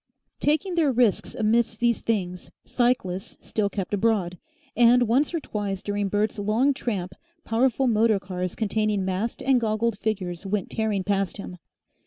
Taking their risks amidst these things, cyclists still kept abroad, and once or twice during Bert's long tramp powerful motor cars containing masked and goggled figures went tearing past him.